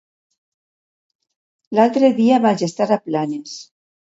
L'altre dia vaig estar a Planes.